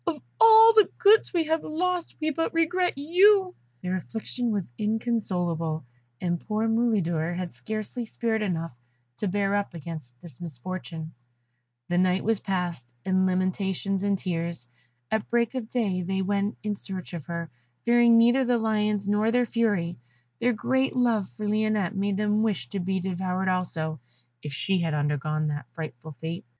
Of all the goods we have lost we but regret you!" Their affliction was inconsolable, and poor Mulidor had scarcely spirit enough to bear up against this misfortune. The night was passed in lamentations and tears. At break of day they went in search of her, fearing neither the lions nor their fury; their great love for Lionette made them wish to be devoured also, if she had undergone that frightful fate.